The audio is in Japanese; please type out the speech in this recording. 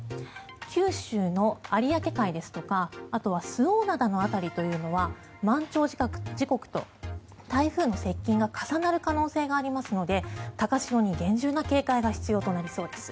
九州の有明海ですとかあとは周防灘の辺りというのは満潮時刻と台風の接近が重なる可能性がありますので高潮に厳重な警戒が必要となりそうです。